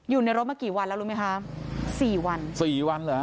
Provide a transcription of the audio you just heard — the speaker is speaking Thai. อยู่ในรถมากี่วันแล้วรู้ไหมคะสี่วันสี่วันเหรอฮ